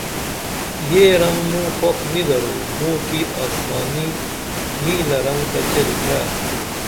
یہ رنگ موں خوخ نی درو، موں کی آسمانی نیلہ رنگ تہ چیل پرے۔